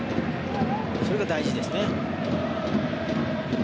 それが大事ですね。